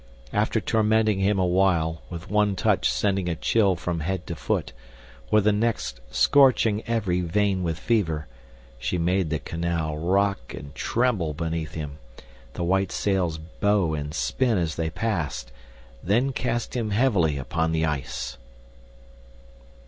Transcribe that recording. After tormenting him awhile, with one touch sending a chill from head to foot, with the next scorching every vein with fever, she made the canal rock and tremble beneath him, the white sails bow and spin as they passed, then cast him heavily upon the ice.